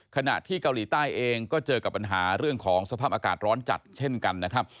ขณะที่เกาหลีใต้เองก็เจอกับปัญหาเรื่องของสภาพอากาศร้อนจัดเช่นกันนะครับ